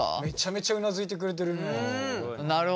めちゃめちゃうなずいてくれてるな。